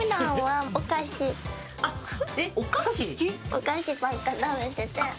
お菓子ばっか食べてて。